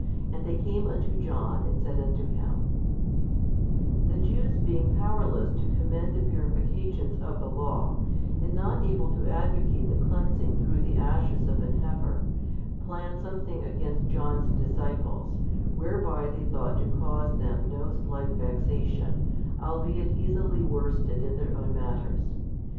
And they came unto John, and said unto him, The Jews being powerless to commend the purifications of the law, and not able to advocate the cleansing through the ashes of an heifer, plan something against John's disciples, whereby they thought to cause them no slight vexation, albeit easily worsted in their own matters.